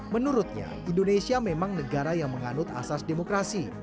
menurutnya indonesia memang negara yang menganut asas demokrasi